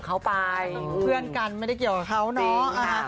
เพราะผมยังเอาตัวไม่รอดเลย